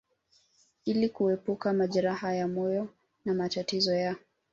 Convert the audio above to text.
ili kuepuka majeraha ya moyo na matatizo ya